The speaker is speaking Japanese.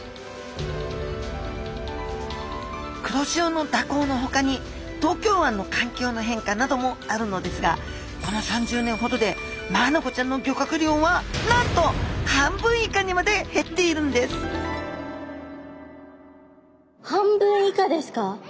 黒潮の蛇行のほかに東京湾の環境の変化などもあるのですがこの３０年ほどでマアナゴちゃんの漁獲量はなんと半分以下にまで減っているんです半分以下ですか。